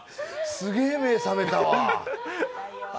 すげぇ目覚めたわ。